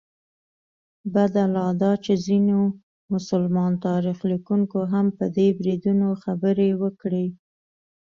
بده لا دا چې ځینو مسلمان تاریخ لیکونکو هم په دې بریدونو خبرې وکړې.